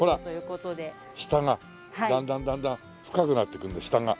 ほら下がだんだんだんだん深くなっていくんだ下が。